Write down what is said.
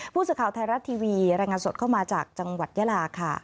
ผู้สื่อข่าวไทยรัฐทีวีรายงานสดเข้ามาจากจังหวัดยาลาค่ะ